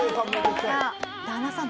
旦那さん